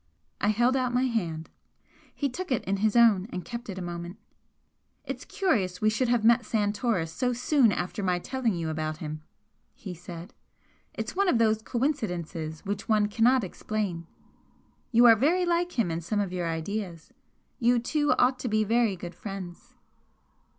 I held out my hand. He took it in his own and kept it a moment. "It's curious we should have met Santoris so soon after my telling you about him," he said "It's one of those coincidences which one cannot explain. You are very like him in some of your ideas you two ought to be very great friends."